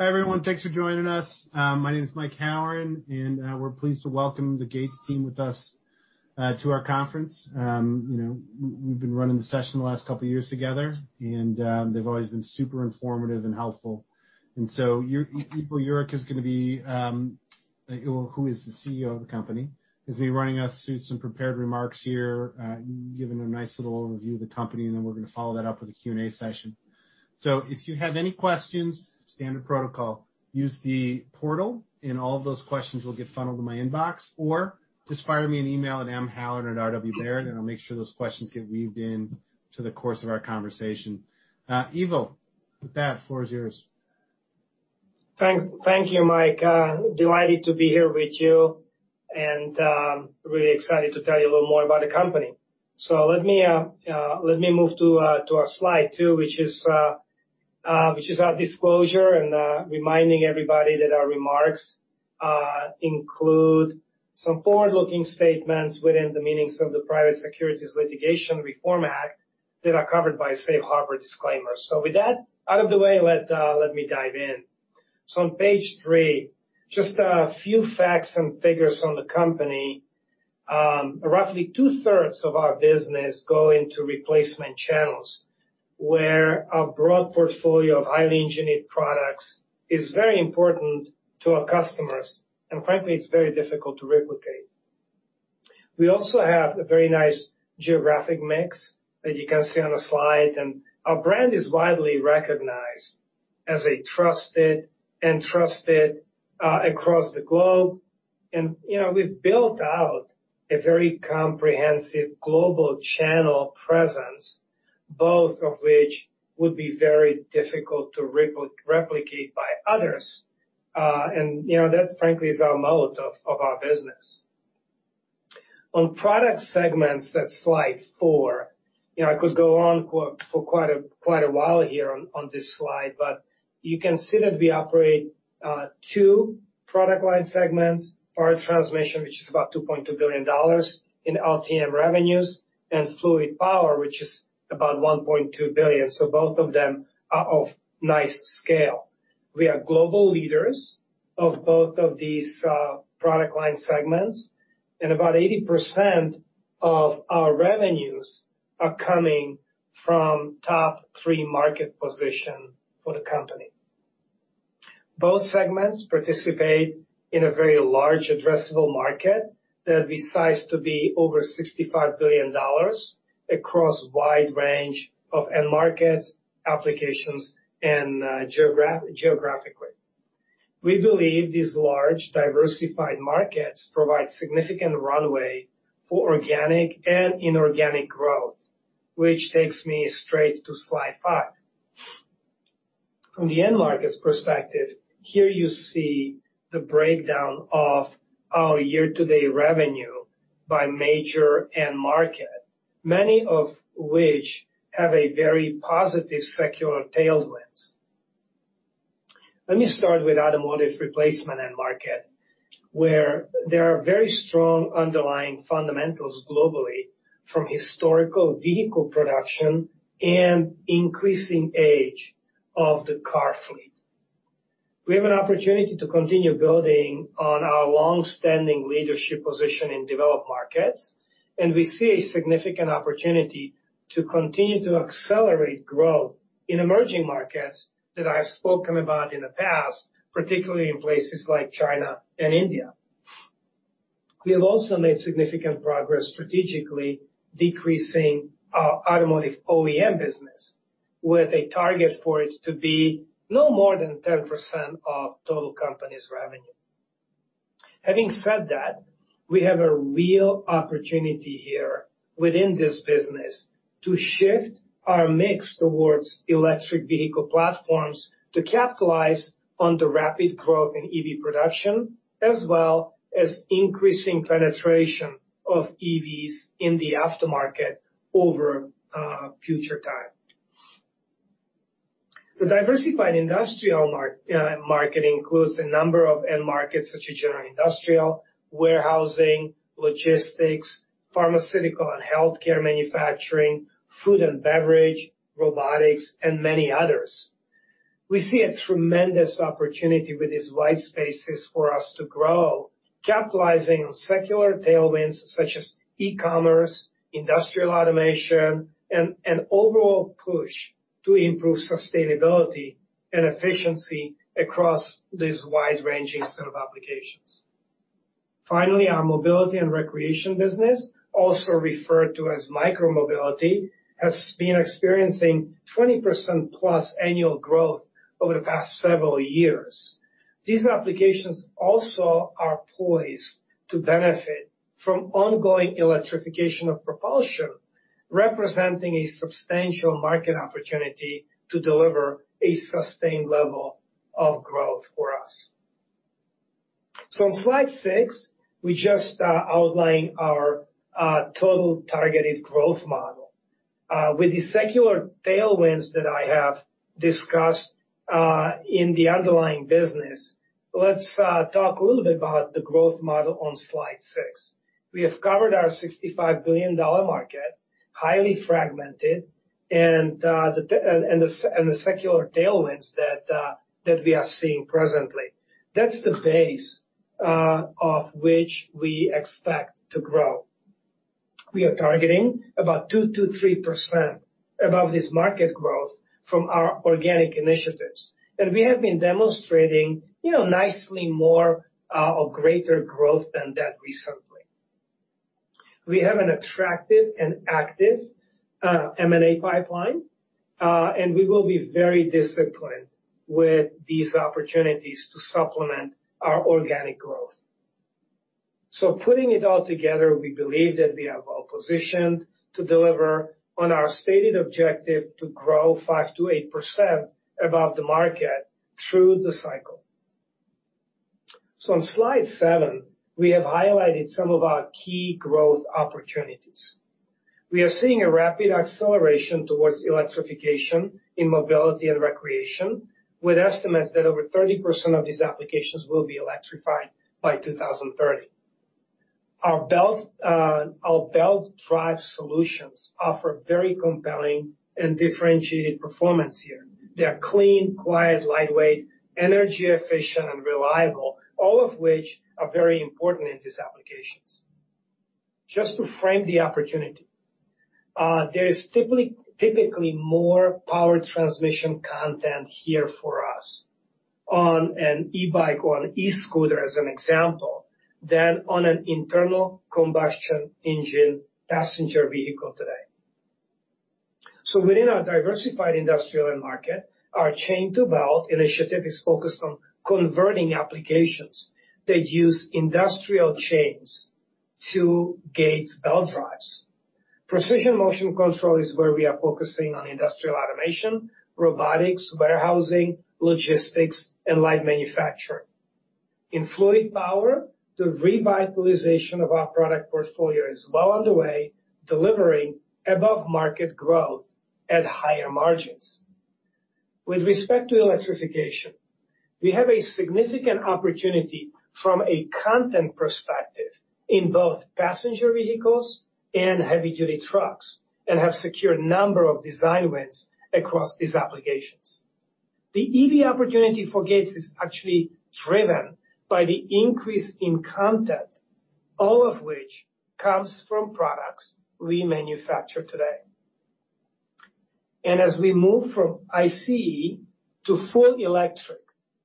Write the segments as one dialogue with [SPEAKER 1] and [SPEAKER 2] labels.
[SPEAKER 1] Hi everyone, thanks for joining us. My name is Mike Howard, and we're pleased to welcome the Gates team with us to our conference. We've been running the session the last couple of years together, and they've always been super informative and helpful. Your people, Jurek is going to be—who is the CEO of the company—is going to be running us through some prepared remarks here, giving a nice little overview of the company, and then we're going to follow that up with a Q&A session. If you have any questions, standard protocol, use the portal, and all of those questions will get funneled to my inbox, or just fire me an email at mhoward@rwberry, and I'll make sure those questions get weaved into the course of our conversation. Ivo, with that, floor is yours.
[SPEAKER 2] Thank you, Mike. Delighted to be here with you, and really excited to tell you a little more about the company. Let me move to our slide two, which is our disclosure and reminding everybody that our remarks include some forward-looking statements within the meanings of the Private Securities Litigation Reform Act that are covered by safe harbor disclaimers. With that out of the way, let me dive in. On page three, just a few facts and figures on the company. Roughly two-thirds of our business go into replacement channels, where a broad portfolio of highly engineered products is very important to our customers. Frankly, it is very difficult to replicate. We also have a very nice geographic mix that you can see on the slide, and our brand is widely recognized as a trusted brand across the globe. We have built out a very comprehensive global channel presence, both of which would be very difficult to replicate by others. That, frankly, is our moat of our business. On product segments, that is slide four. I could go on for quite a while here on this slide, but you can see that we operate two product line segments: power transmission, which is about $2.2 billion in LTM revenues, and fluid power, which is about $1.2 billion. Both of them are of nice scale. We are global leaders of both of these product line segments, and about 80% of our revenues are coming from top three market positions for the company. Both segments participate in a very large addressable market that we size to be over $65 billion across a wide range of end markets, applications, and geographically. We believe these large diversified markets provide significant runway for organic and inorganic growth, which takes me straight to slide five. From the end markets perspective, here you see the breakdown of our year-to-date revenue by major end market, many of which have very positive secular tailwinds. Let me start with automotive replacement end market, where there are very strong underlying fundamentals globally from historical vehicle production and increasing age of the car fleet. We have an opportunity to continue building on our long-standing leadership position in developed markets, and we see a significant opportunity to continue to accelerate growth in emerging markets that I've spoken about in the past, particularly in places like China and India. We have also made significant progress strategically decreasing our automotive OEM business, with a target for it to be no more than 10% of total company's revenue. Having said that, we have a real opportunity here within this business to shift our mix towards electric vehicle platforms to capitalize on the rapid growth in EV production, as well as increasing penetration of EVs in the aftermarket over future time. The diversified industrial market includes a number of end markets such as general industrial, warehousing, logistics, pharmaceutical and healthcare manufacturing, food and beverage, robotics, and many others. We see a tremendous opportunity with these white spaces for us to grow, capitalizing on secular tailwinds such as e-commerce, industrial automation, and an overall push to improve sustainability and efficiency across these wide-ranging set of applications. Finally, our mobility and recreation business, also referred to as micromobility, has been experiencing 20% plus annual growth over the past several years. These applications also are poised to benefit from ongoing electrification of propulsion, representing a substantial market opportunity to deliver a sustained level of growth for us. On slide six, we just outlined our total targeted growth model. With the secular tailwinds that I have discussed in the underlying business, let's talk a little bit about the growth model on slide six. We have covered our $65 billion market, highly fragmented, and the secular tailwinds that we are seeing presently. That is the base off which we expect to grow. We are targeting about 2%-3% above this market growth from our organic initiatives. We have been demonstrating nicely more of greater growth than that recently. We have an attractive and active M&A pipeline, and we will be very disciplined with these opportunities to supplement our organic growth. Putting it all together, we believe that we are well-positioned to deliver on our stated objective to grow 5%-8% above the market through the cycle. On slide seven, we have highlighted some of our key growth opportunities. We are seeing a rapid acceleration towards electrification in mobility and recreation, with estimates that over 30% of these applications will be electrified by 2030. Our belt-drive solutions offer very compelling and differentiated performance here. They are clean, quiet, lightweight, energy efficient, and reliable, all of which are very important in these applications. Just to frame the opportunity, there is typically more power transmission content here for us on an e-bike or an e-scooter, as an example, than on an internal combustion engine passenger vehicle today. Within our diversified industrial market, our chain-to-belt initiative is focused on converting applications that use industrial chains to Gates belt drives. Precision motion control is where we are focusing on industrial automation, robotics, warehousing, logistics, and light manufacturing. In fluid power, the revitalization of our product portfolio is well underway, delivering above-market growth at higher margins. With respect to electrification, we have a significant opportunity from a content perspective in both passenger vehicles and heavy-duty trucks, and have secured a number of design wins across these applications. The EV opportunity for Gates is actually driven by the increase in content, all of which comes from products we manufacture today. As we move from ICE to full electric,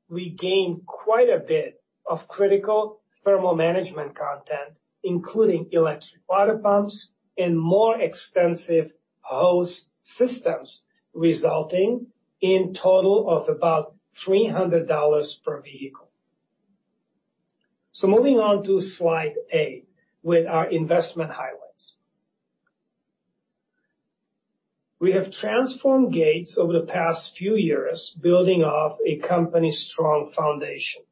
[SPEAKER 2] we gain quite a bit of critical thermal management content, including electric water pumps and more expensive hose systems, resulting in a total of about $300 per vehicle. Moving on to slide eight with our investment highlights. We have transformed Gates over the past few years, building off a company's strong foundation.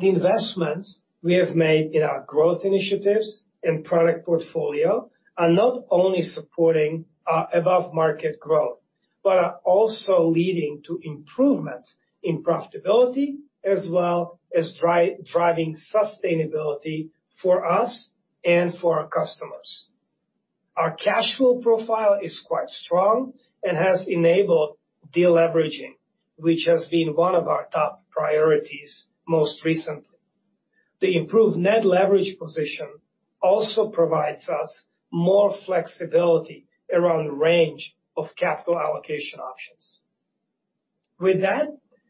[SPEAKER 2] The investments we have made in our growth initiatives and product portfolio are not only supporting our above-market growth, but are also leading to improvements in profitability, as well as driving sustainability for us and for our customers. Our cash flow profile is quite strong and has enabled deleveraging, which has been one of our top priorities most recently. The improved net leverage position also provides us more flexibility around the range of capital allocation options. With that,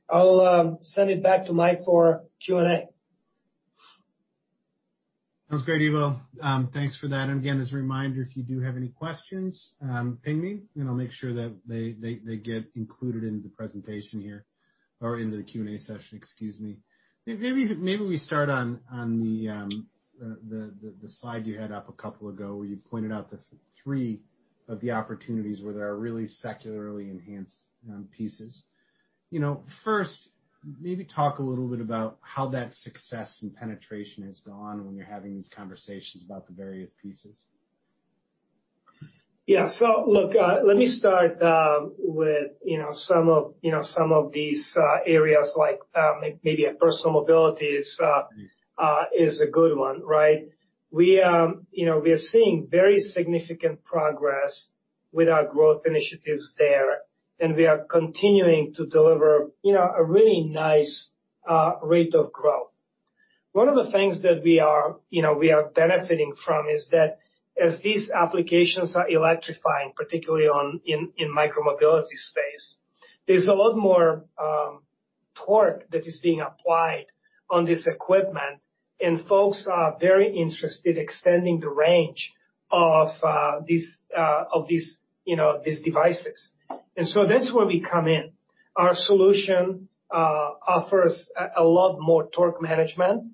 [SPEAKER 2] I'll send it back to Mike for Q&A.
[SPEAKER 1] That was great, Ivo. Thanks for that. Again, as a reminder, if you do have any questions, ping me, and I'll make sure that they get included into the presentation here or into the Q&A session, excuse me. Maybe we start on the slide you had up a couple ago where you pointed out three of the opportunities where there are really secularly enhanced pieces. First, maybe talk a little bit about how that success and penetration has gone when you're having these conversations about the various pieces.
[SPEAKER 2] Yeah. Look, let me start with some of these areas, like maybe personal mobility is a good one, right? We are seeing very significant progress with our growth initiatives there, and we are continuing to deliver a really nice rate of growth. One of the things that we are benefiting from is that as these applications are electrifying, particularly in the micromobility space, there is a lot more torque that is being applied on this equipment, and folks are very interested in extending the range of these devices. That is where we come in. Our solution offers a lot more torque management,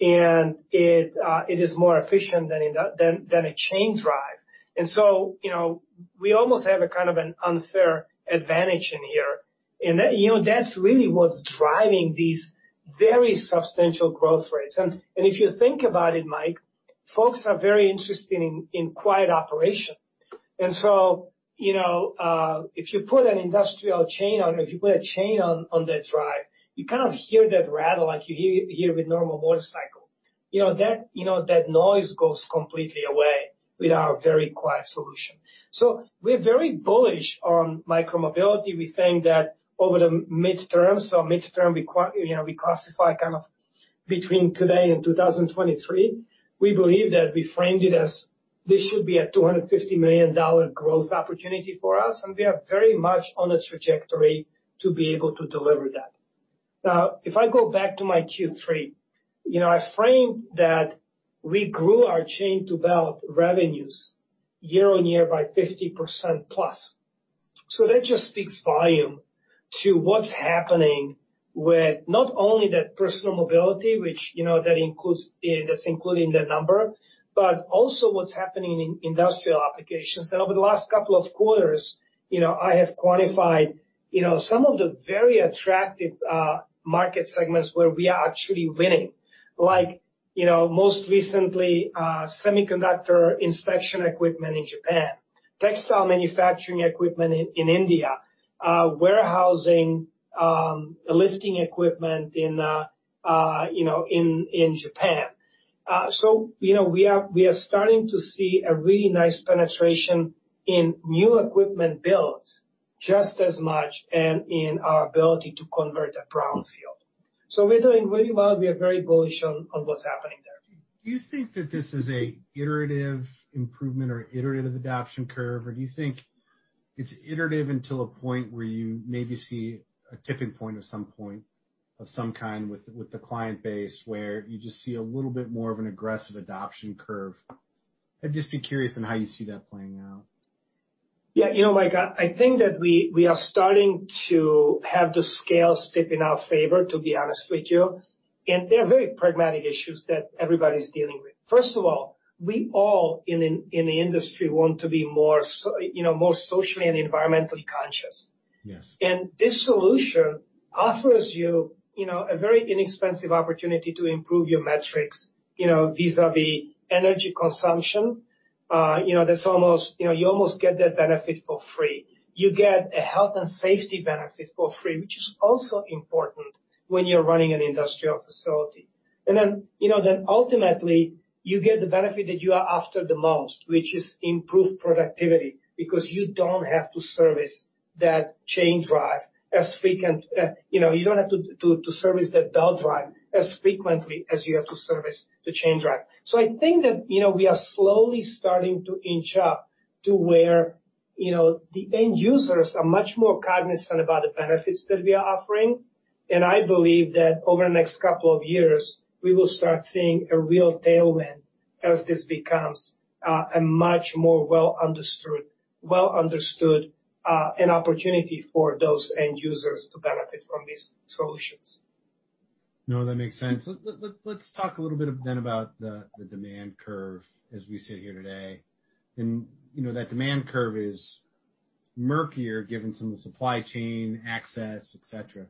[SPEAKER 2] and it is more efficient than a chain drive. We almost have kind of an unfair advantage in here. That is really what is driving these very substantial growth rates. If you think about it, Mike, folks are very interested in quiet operation. If you put an industrial chain on, if you put a chain on that drive, you kind of hear that rattle like you hear with a normal motorcycle. That noise goes completely away with our very quiet solution. We are very bullish on micromobility. We think that over the midterm, so midterm, we classify kind of between today and 2023. We believe that we framed it as this should be a $250 million growth opportunity for us, and we are very much on a trajectory to be able to deliver that. Now, if I go back to my Q3, I framed that we grew our chain-to-belt revenues year on year by 50% plus. That just speaks volume to what's happening with not only that personal mobility, which that includes the number, but also what's happening in industrial applications. Over the last couple of quarters, I have quantified some of the very attractive market segments where we are actually winning, like most recently, semiconductor inspection equipment in Japan, textile manufacturing equipment in India, warehousing, lifting equipment in Japan. We are starting to see a really nice penetration in new equipment builds just as much and in our ability to convert that brownfield. We are doing really well. We are very bullish on what is happening there.
[SPEAKER 1] Do you think that this is an iterative improvement or iterative adoption curve, or do you think it's iterative until a point where you maybe see a tipping point of some kind with the client base where you just see a little bit more of an aggressive adoption curve? I'd just be curious on how you see that playing out.
[SPEAKER 2] Yeah. You know, Mike, I think that we are starting to have the scale step in our favor, to be honest with you. There are very pragmatic issues that everybody's dealing with. First of all, we all in the industry want to be more socially and environmentally conscious. This solution offers you a very inexpensive opportunity to improve your metrics vis-à-vis energy consumption. You almost get that benefit for free. You get a health and safety benefit for free, which is also important when you're running an industrial facility. Ultimately, you get the benefit that you are after the most, which is improved productivity because you don't have to service that chain drive as frequently. You don't have to service that belt drive as frequently as you have to service the chain drive. I think that we are slowly starting to inch up to where the end users are much more cognizant about the benefits that we are offering. I believe that over the next couple of years, we will start seeing a real tailwind as this becomes a much more well-understood opportunity for those end users to benefit from these solutions.
[SPEAKER 1] No, that makes sense. Let's talk a little bit then about the demand curve as we sit here today. That demand curve is murkier given some of the supply chain access, etc.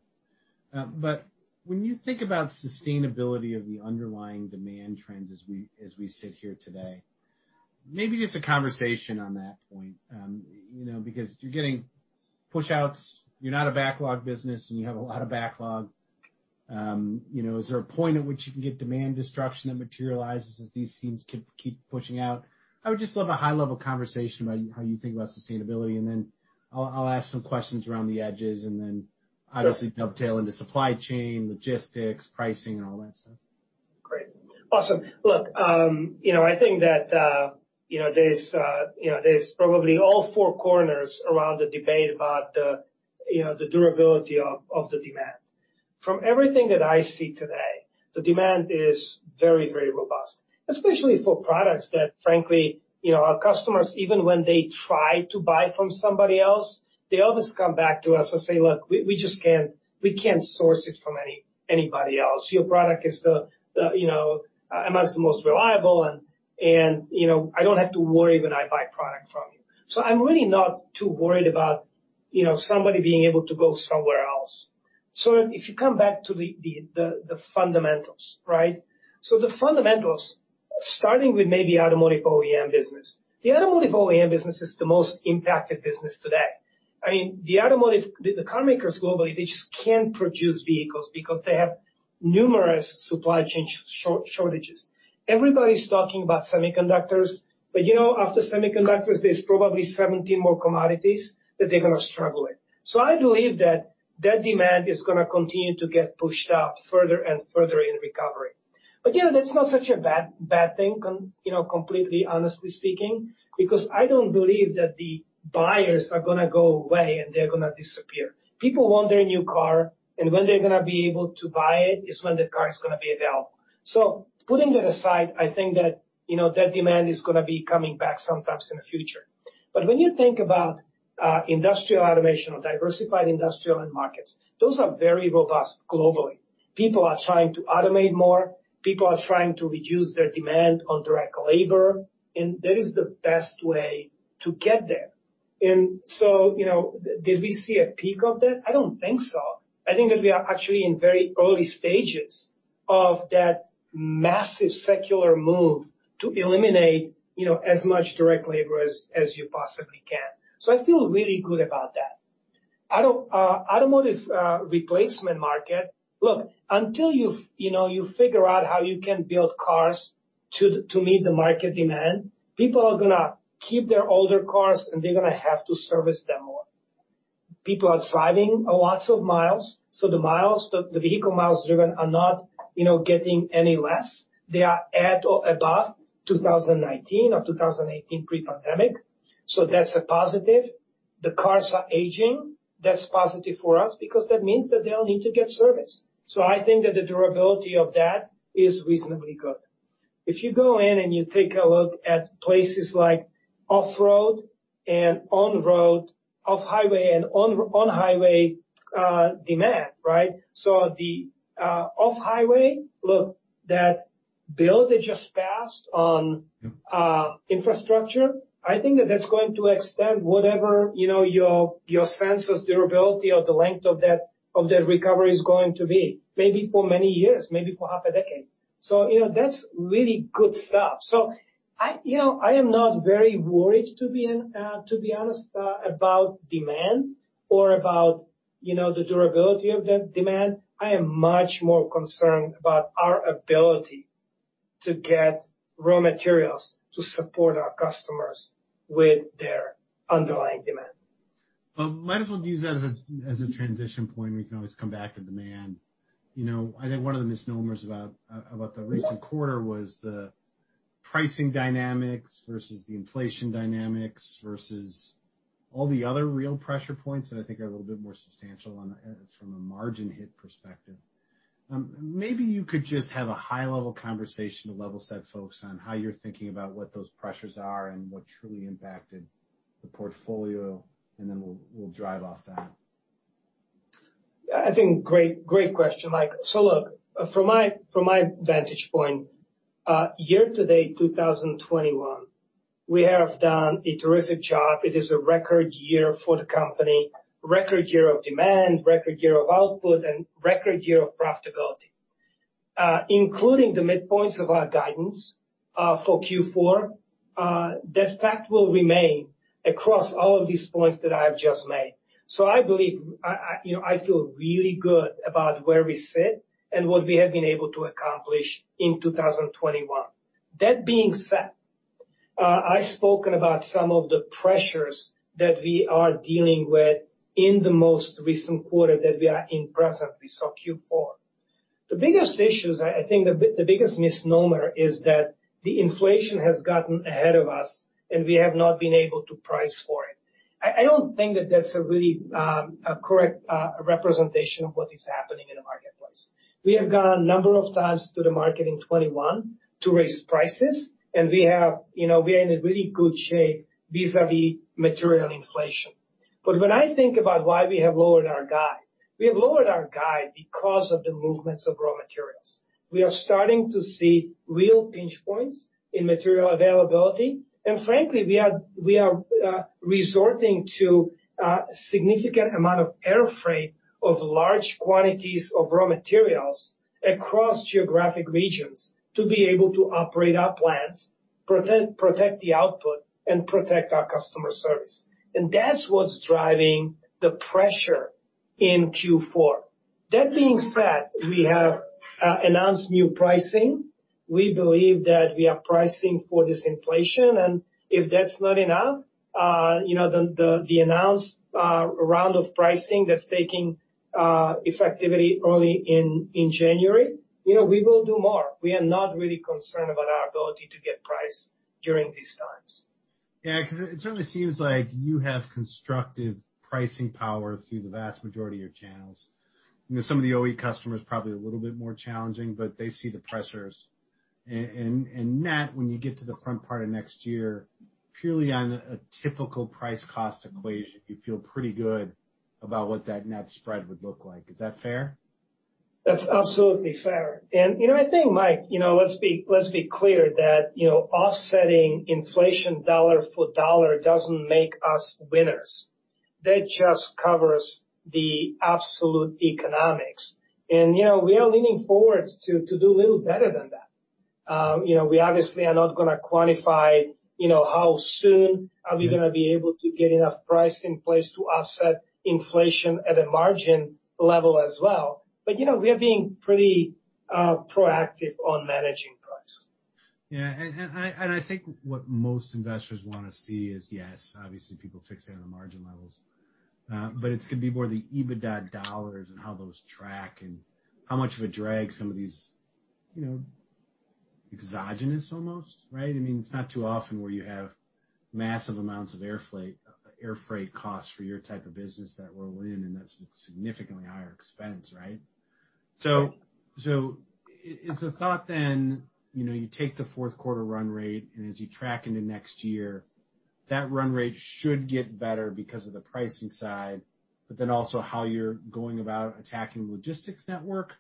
[SPEAKER 1] When you think about sustainability of the underlying demand trends as we sit here today, maybe just a conversation on that point, because you're getting push-outs, you're not a backlog business, and you have a lot of backlog. Is there a point at which you can get demand destruction that materializes as these seams keep pushing out? I would just love a high-level conversation about how you think about sustainability. I will ask some questions around the edges and obviously dovetail into supply chain, logistics, pricing, and all that stuff.
[SPEAKER 2] Great. Awesome. Look, I think that there's probably all four corners around the debate about the durability of the demand. From everything that I see today, the demand is very, very robust, especially for products that, frankly, our customers, even when they try to buy from somebody else, they always come back to us and say, "Look, we can't source it from anybody else. Your product is the most reliable, and I don't have to worry when I buy product from you." I am really not too worried about somebody being able to go somewhere else. If you come back to the fundamentals, right? The fundamentals, starting with maybe automotive OEM business, the automotive OEM business is the most impacted business today. I mean, the carmakers globally, they just can't produce vehicles because they have numerous supply chain shortages. Everybody's talking about semiconductors, but after semiconductors, there's probably 17 more commodities that they're going to struggle with. I believe that that demand is going to continue to get pushed up further and further in recovery. That's not such a bad thing, completely honestly speaking, because I don't believe that the buyers are going to go away and they're going to disappear. People want their new car, and when they're going to be able to buy it is when the car is going to be available. Putting that aside, I think that that demand is going to be coming back sometimes in the future. When you think about industrial automation or diversified industrial markets, those are very robust globally. People are trying to automate more. People are trying to reduce their demand on direct labor. That is the best way to get there. Did we see a peak of that? I don't think so. I think that we are actually in very early stages of that massive secular move to eliminate as much direct labor as you possibly can. I feel really good about that. Automotive replacement market, look, until you figure out how you can build cars to meet the market demand, people are going to keep their older cars, and they're going to have to service them more. People are driving lots of miles. The vehicle miles driven are not getting any less. They are at or above 2019 or 2018 pre-pandemic. That is a positive. The cars are aging. That is positive for us because that means that they all need to get serviced. I think that the durability of that is reasonably good. If you go in and you take a look at places like off-road and on-road, off-highway and on-highway demand, right? The off-highway, look, that bill that just passed on infrastructure, I think that that's going to extend whatever your sensor's durability or the length of that recovery is going to be, maybe for many years, maybe for half a decade. That is really good stuff. I am not very worried, to be honest, about demand or about the durability of that demand. I am much more concerned about our ability to get raw materials to support our customers with their underlying demand.
[SPEAKER 1] Might as well use that as a transition point. We can always come back to demand. I think one of the misnomers about the recent quarter was the pricing dynamics versus the inflation dynamics versus all the other real pressure points that I think are a little bit more substantial from a margin hit perspective. Maybe you could just have a high-level conversation to level-set folks on how you're thinking about what those pressures are and what truly impacted the portfolio, and then we'll drive off that.
[SPEAKER 2] Yeah, I think great question. Look, from my vantage point, year to date, 2021, we have done a terrific job. It is a record year for the company, record year of demand, record year of output, and record year of profitability. Including the midpoints of our guidance for Q4, that fact will remain across all of these points that I have just made. I believe I feel really good about where we sit and what we have been able to accomplish in 2021. That being said, I've spoken about some of the pressures that we are dealing with in the most recent quarter that we are in presently, Q4. The biggest issues, I think the biggest misnomer is that the inflation has gotten ahead of us, and we have not been able to price for it. I don't think that that's a really correct representation of what is happening in the marketplace. We have gone a number of times to the market in 2021 to raise prices, and we are in a really good shape vis-à-vis material inflation. When I think about why we have lowered our guide, we have lowered our guide because of the movements of raw materials. We are starting to see real pinch points in material availability. Frankly, we are resorting to a significant amount of air freight of large quantities of raw materials across geographic regions to be able to operate our plants, protect the output, and protect our customer service. That's what's driving the pressure in Q4. That being said, we have announced new pricing. We believe that we have pricing for this inflation. If that's not enough, the announced round of pricing that's taking effect early in January, we will do more. We are not really concerned about our ability to get price during these times.
[SPEAKER 1] Yeah, because it certainly seems like you have constructive pricing power through the vast majority of your channels. Some of the OE customers are probably a little bit more challenging, but they see the pressures. Net, when you get to the front part of next year, purely on a typical price-cost equation, you feel pretty good about what that net spread would look like. Is that fair?
[SPEAKER 2] That's absolutely fair. I think, Mike, let's be clear that offsetting inflation dollar for dollar does not make us winners. That just covers the absolute economics. We are leaning forward to do a little better than that. We obviously are not going to quantify how soon we are going to be able to get enough price in place to offset inflation at a margin level as well. We are being pretty proactive on managing price.
[SPEAKER 1] Yeah. I think what most investors want to see is, yes, obviously, people fixate on the margin levels. It is going to be more the EBITDA dollars and how those track and how much of a drag some of these exogenous almost, right? I mean, it is not too often where you have massive amounts of air freight costs for your type of business that roll in, and that is a significantly higher expense, right? Is the thought then you take the fourth quarter run rate, and as you track into next year, that run rate should get better because of the pricing side, but then also how you are going about attacking logistics network?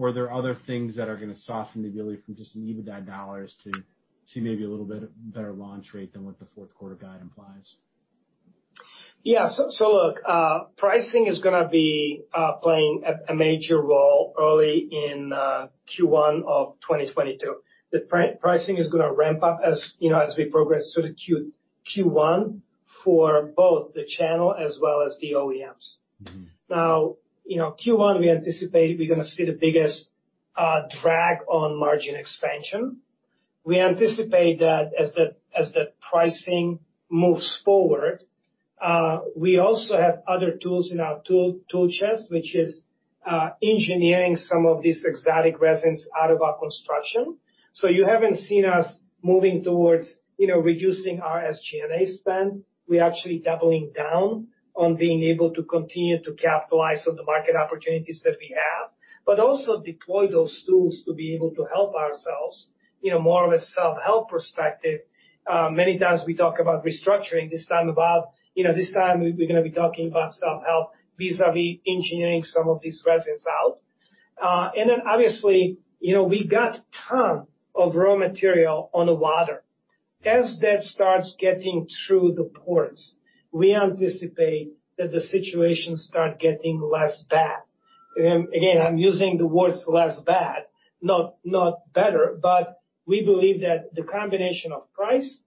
[SPEAKER 1] Are there other things that are going to soften the ability from just an EBITDA dollars to see maybe a little bit better launch rate than what the fourth quarter guide implies?
[SPEAKER 2] Yeah. Look, pricing is going to be playing a major role early in Q1 of 2022. The pricing is going to ramp up as we progress to Q1 for both the channel as well as the OEMs. Now, Q1, we anticipate we're going to see the biggest drag on margin expansion. We anticipate that as the pricing moves forward, we also have other tools in our tool chest, which is engineering some of these exotic resins out of our construction. You haven't seen us moving towards reducing our SG&A spend. We're actually doubling down on being able to continue to capitalize on the market opportunities that we have, but also deploy those tools to be able to help ourselves more of a self-help perspective. Many times we talk about restructuring. This time, we are going to be talking about self-help vis-à-vis engineering some of these resins out. Obviously, we have a ton of raw material on the water. As that starts getting through the ports, we anticipate that the situation starts getting less bad. Again, I am using the words less bad, not better, but we believe that the combination of price,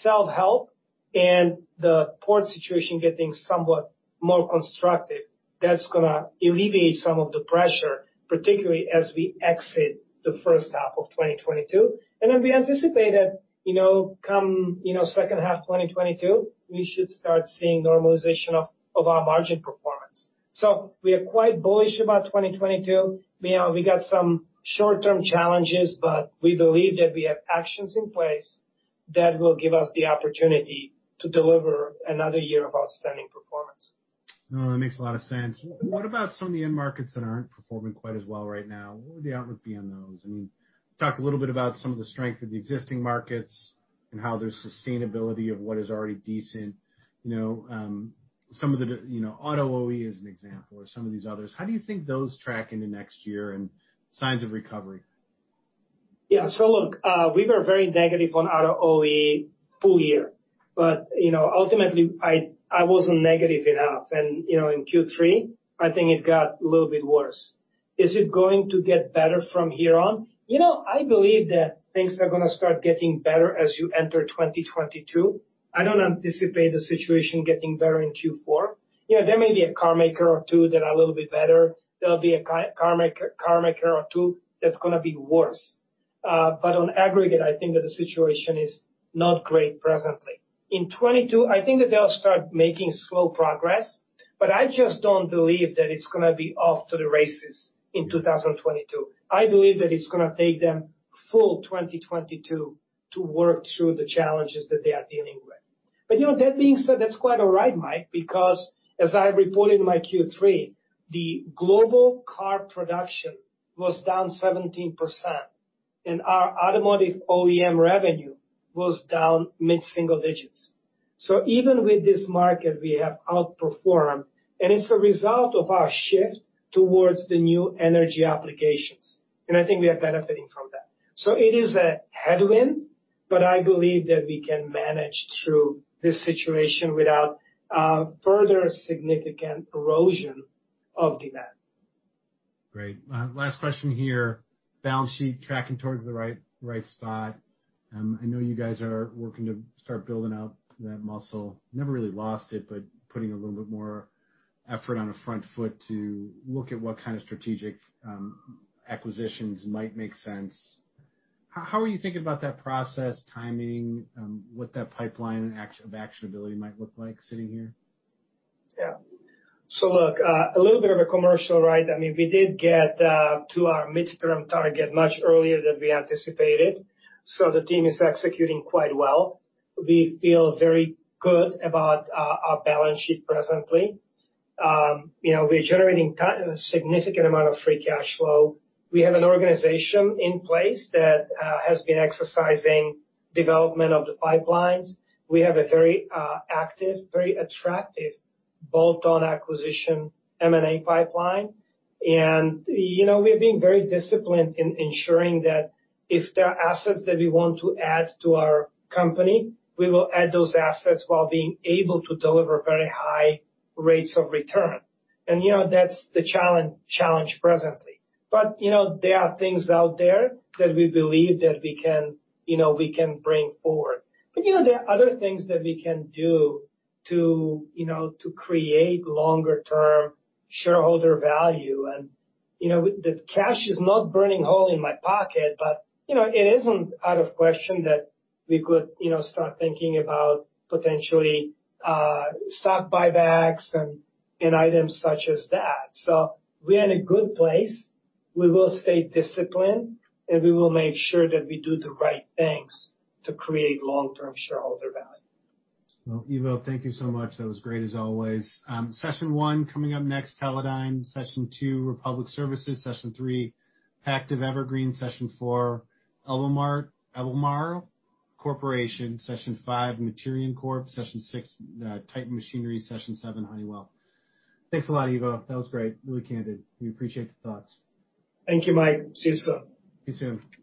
[SPEAKER 2] self-help, and the port situation getting somewhat more constructive is going to alleviate some of the pressure, particularly as we exit the first half of 2022. We anticipate that come second half 2022, we should start seeing normalization of our margin performance. We are quite bullish about 2022. We have some short-term challenges, but we believe that we have actions in place that will give us the opportunity to deliver another year of outstanding performance.
[SPEAKER 1] That makes a lot of sense. What about some of the end markets that are not performing quite as well right now? What would the outlook be on those? I mean, talked a little bit about some of the strength of the existing markets and how there is sustainability of what is already decent. Some of the auto OE, as an example, or some of these others. How do you think those track into next year and signs of recovery?
[SPEAKER 2] Yeah. Look, we were very negative on auto OE full year. Ultimately, I wasn't negative enough. In Q3, I think it got a little bit worse. Is it going to get better from here on? I believe that things are going to start getting better as you enter 2022. I don't anticipate the situation getting better in Q4. There may be a carmaker or two that are a little bit better. There'll be a carmaker or two that's going to be worse. On aggregate, I think that the situation is not great presently. In 2022, I think that they'll start making slow progress, but I just don't believe that it's going to be off to the races in 2022. I believe that it's going to take them full 2022 to work through the challenges that they are dealing with. That being said, that's quite all right, Mike, because as I reported in my Q3, the global car production was down 17%, and our automotive OEM revenue was down mid-single digits. Even with this market, we have outperformed, and it's a result of our shift towards the new energy applications. I think we are benefiting from that. It is a headwind, but I believe that we can manage through this situation without further significant erosion of demand.
[SPEAKER 1] Great. Last question here. Balance sheet tracking towards the right spot. I know you guys are working to start building out that muscle. Never really lost it, but putting a little bit more effort on a front foot to look at what kind of strategic acquisitions might make sense. How are you thinking about that process, timing, what that pipeline of actionability might look like sitting here?
[SPEAKER 2] Yeah. Look, a little bit of a commercial, right? I mean, we did get to our midterm target much earlier than we anticipated. The team is executing quite well. We feel very good about our balance sheet presently. We're generating a significant amount of Free Cash Flow. We have an organization in place that has been exercising development of the pipelines. We have a very active, very attractive bolt-on acquisition M&A pipeline. We have been very disciplined in ensuring that if there are assets that we want to add to our company, we will add those assets while being able to deliver very high rates of return. That's the challenge presently. There are things out there that we believe that we can bring forward. There are other things that we can do to create longer-term shareholder value. The cash is not burning a hole in my pocket, but it is not out of the question that we could start thinking about potentially stock buybacks and items such as that. We are in a good place. We will stay disciplined, and we will make sure that we do the right things to create long-term shareholder value.
[SPEAKER 1] Ivo, thank you so much. That was great as always. Session one coming up next, Teledyne. Session two, Republic Services. Session three, Pactiv Evergreen. Session four, Albemarle Corporation. Session five, Materion Corp. Session six, Titan Machinery. Session seven, Honeywell. Thanks a lot, Ivo. That was great. Really candid. We appreciate the thoughts.
[SPEAKER 2] Thank you, Mike. See you soon.
[SPEAKER 1] See you soon.